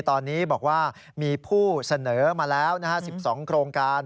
ตอนนี้บอกว่ามีผู้เสนอมาแล้ว๑๒โครงการ